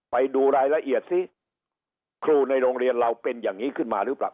ไปดูรายละเอียดซิครูในโรงเรียนเราเป็นอย่างนี้ขึ้นมาหรือเปล่า